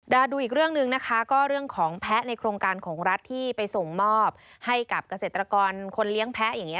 ดูอีกเรื่องหนึ่งนะคะก็เรื่องของแพ้ในโครงการของรัฐที่ไปส่งมอบให้กับเกษตรกรคนเลี้ยงแพ้อย่างนี้